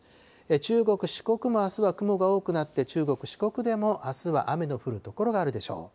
中国、四国もあすは雲が多くなって、中国、四国でもあすは雨の降る所があるでしょう。